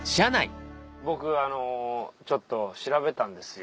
僕あのちょっと調べたんですよ。